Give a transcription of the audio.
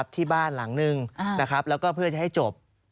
ที่บ้านหลังนึงแล้วก็เพื่อจะให้จบ